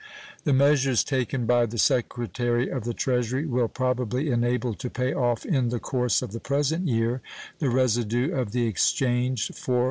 The measures taken by the Secretary of the Treasury will probably enable to pay off in the course of the present year the residue of the exchanged 4.